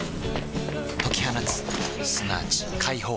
解き放つすなわち解放